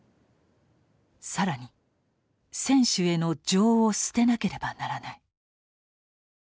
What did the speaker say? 更に選手への情を捨てなければならない。